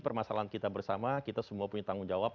permasalahan kita bersama kita semua punya tanggung jawab